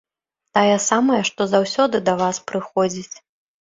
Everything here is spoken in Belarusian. Тая самая, што заўсёды да вас прыходзіць.